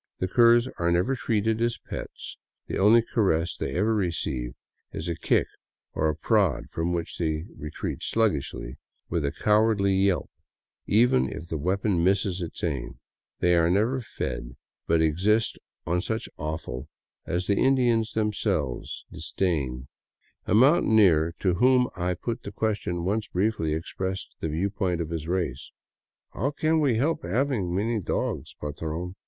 The curs are never treated as pets ; the only caress they ever receive is a kick or a prod from which they retreat sluggishly with a cowardly yelp, even if the weapon misses its aim ; they are never fed, but exist on such offal as the Indian himself disdains. A mountaineer to whom I put the question once briefly expressed the viewpoint of his race: *' How can we help having many dogs, patron